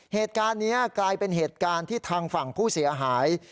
เหตุการณ์นี้กลายเป็นเหตุการณ์ที่ทางฝั่งผู้เสียหาย